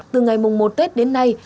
từ ngày mùng một tết đến nay